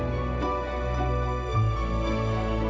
yang ingin leads dr cup maka dia dijaga